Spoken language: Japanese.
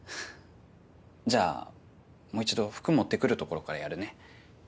じゃあもう一度服持ってくるところからやるね。